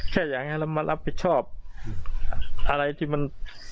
แค่อยากให้เรามารับผิดชอบอะไรที่มัน